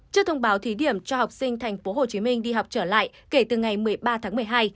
trước thông báo thí điểm cho học sinh tp hcm đi học trở lại kể từ ngày một mươi ba tháng một mươi hai